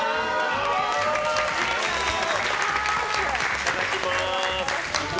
いただきます。